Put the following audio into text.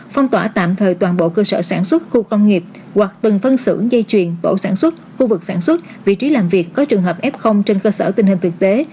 phong tỏa tạm thời toàn bộ cơ sở sản xuất khu công nghiệp hoặc từng phân xưởng dây chuyền tổ sản xuất khu vực sản xuất vị trí làm việc có trường hợp f trên cơ sở tình hình thực tế